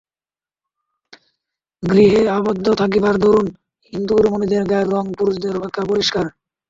গৃহে আবদ্ধ থাকিবার দরুন হিন্দু রমণীদের গায়ের রঙ পুরুষদের অপেক্ষা পরিষ্কার।